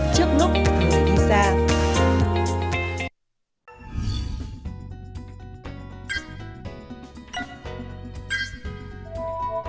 trước lúc người đi xa